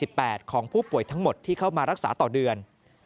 หรือ๑๔๘จำนวนแรงของผู้ป่วยทั้งหมดที่เข้ามารักษาต่อเดือน